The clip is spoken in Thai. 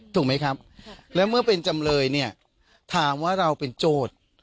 ถูกไหมคะและเมื่อเป็นจำเลยถามว่าเราเป็นโจทย์